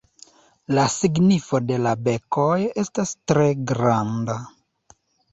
La signifo de la bekoj estas tre granda.